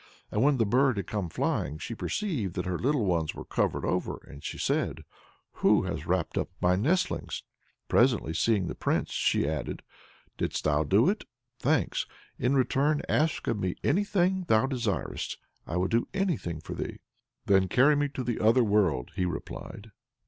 And when the bird had come flying up, she perceived that her little ones were covered over, and she said, "Who has wrapped up my nestlings?" and presently, seeing the Prince, she added: "Didst thou do that? Thanks! In return, ask of me any thing thou desirest. I will do anything for thee." "Then carry me into the other world," he replied.